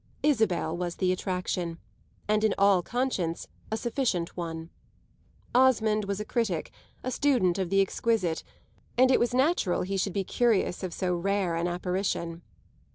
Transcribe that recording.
Isabel was the attraction, and in all conscience a sufficient one. Osmond was a critic, a student of the exquisite, and it was natural he should be curious of so rare an apparition.